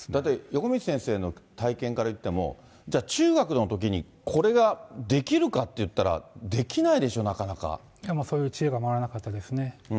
横道先生の体験からいっても、じゃあ、中学のときにこれができるかっていったら、できないでしょう、ないや、そういう知恵が回らなかったですね。